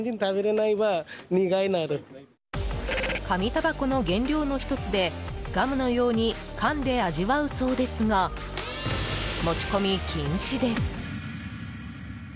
かみたばこの原料の１つでガムのようにかんで味わうそうですが持ち込み禁止です。